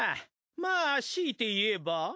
まあしいて言えば。